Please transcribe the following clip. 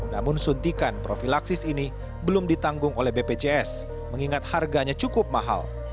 namun suntikan profilaksis ini belum ditanggung oleh bpjs mengingat harganya cukup mahal